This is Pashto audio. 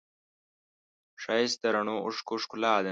ښایست د رڼو اوښکو ښکلا ده